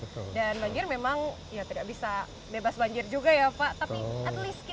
dan banjir memang tidak bisa bebas banjir juga ya pak